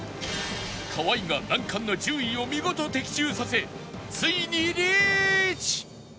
河合が難関の１０位を見事的中させついにリーチ！